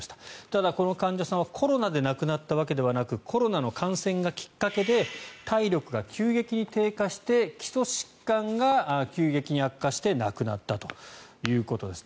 ただ、この患者さんはコロナで亡くなったわけではなくコロナの感染がきっかけで体力が急激にに低下して基礎疾患が急激に悪化して亡くなったということです。